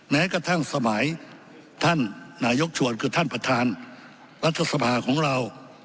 แม้กระทั่งสมัยท่านนายกชวนคือท่านประธานรัฐสภาของเรา